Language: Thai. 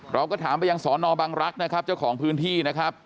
เราก็ถามไปยังสอนอบังรักษ์นะครับเจ้าของพื้นที่นะครับ